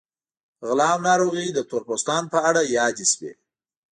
غلا او ناروغۍ د تور پوستانو په اړه یادې شوې.